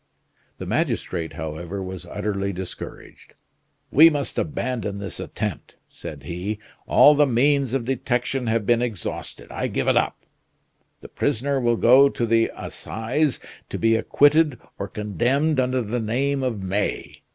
The magistrate, however, was utterly discouraged. "We must abandon this attempt," said he. "All the means of detection have been exhausted. I give it up. The prisoner will go to the Assizes, to be acquitted or condemned under the name of May.